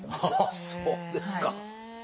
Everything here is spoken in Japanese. そうですか！